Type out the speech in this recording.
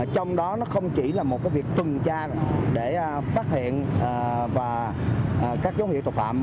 trong đó nó không chỉ là một việc tuần tra để phát hiện và các dấu hiệu tội phạm